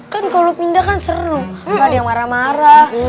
kan kalau pindah kan seru gak ada yang marah marah